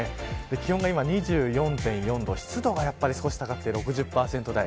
気温が今２４．４度湿度が高くて６０％台。